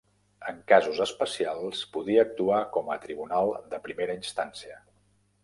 En casos especials, podia actuar com a tribunal de primera instància.